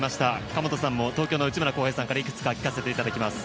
神本さんも東京の内村航平さんからいくつか聞かせていただきます。